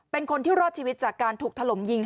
เป็นคนที่รอดชีวิตจากการถูกถล่มยิง